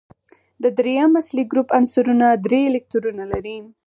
د دریم اصلي ګروپ عنصرونه درې الکترونونه لري.